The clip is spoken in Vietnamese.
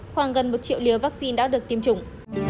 khoảng gần một triệu liều vaccine đã được tiêm chủng